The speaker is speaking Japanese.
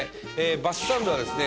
バスサンドはですね